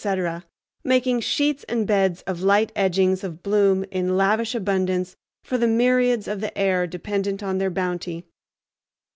—making sheets and beds of light edgings of bloom in lavish abundance for the myriads of the air dependent on their bounty.